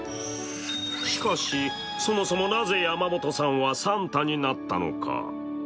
しかし、そもそもなぜ山元さんはサンタになったのか。